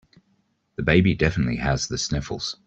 The baby definitely has the sniffles.